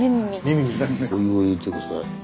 お湯を入れて下さい。